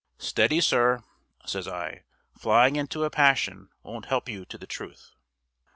"Steady, sir," says I. "Flying into a passion won't help you to the truth."